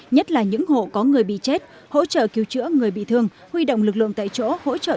nhất là những hộ có người bị chết hỗ trợ cứu chữa người bị thương huy động lực lượng tại chỗ hỗ trợ